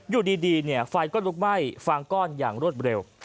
อยู่ดีไฟก็ลุกไหม้ฟางก้อนอย่างรวดเร็ว